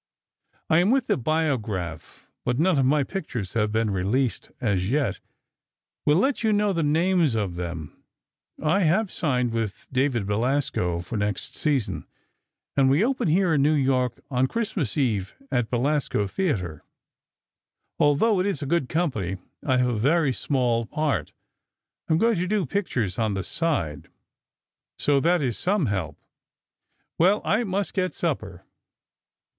I am with the Biograph, but none of my pictures have been released as yet; will let you know the names of them. I have signed with David Belasco for next season, and we open here in New York on Christmas Eve at Belasco Theatre. Although it is a good company, I have a very small part. I am going to do pictures on the side, so that is some help.... Well, I must get supper.